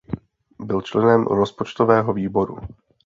Byl členem Rozpočtového výboru.